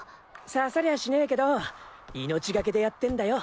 刺さりゃしねえけど命がけでやってんだよ。